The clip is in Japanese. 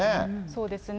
そうですね。